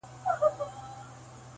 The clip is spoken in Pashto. سږ کال مي ولیده لوېدلې وه له زوره ونه-